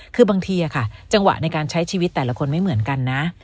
คือบางทีจังหวะในการใช้ชีวิตแต่ละคนไม่เหมือนกันนะ